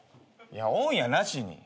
いや「おん」やなしに。